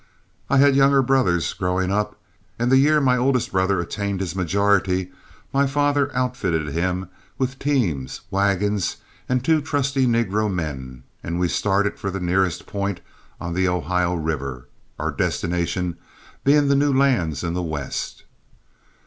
I had younger brothers growing up, and the year my oldest brother attained his majority my father outfitted him with teams, wagons, and two trusty negro men, and we started for the nearest point on the Ohio River, our destination being the new lands in the West.